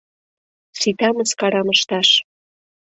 — Сита мыскарам ышташ.